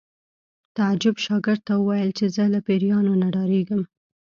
تعجب شاګرد ته وویل چې زه له پیریانو نه ډارېږم